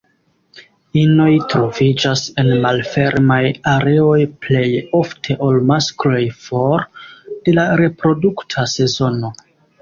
Inoj troviĝas en malfermaj areoj plej ofte ol maskloj for de la reprodukta sezono.